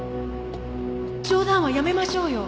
冗談はやめましょうよ。